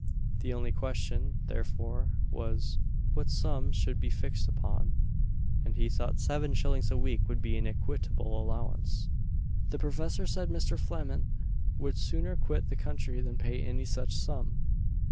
The only question, therefore, was, what sum should be fixed upon; and he thought seven shillings a week would be an equitable allowance. The professor said Mr. Flament would sooner quit the country than pay any such sum.